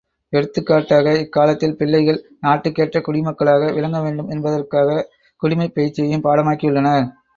எடுத்துக் காட்டாக, இக்காலத்தில் பிள்ளைகள் நாட்டுக்கேற்ற குடிமக்களாக விளங்க வேண்டும் என்பதற்காகக் குடிமைப் பயிற்சியைப் பாடமாக்கியுள்ளனர்.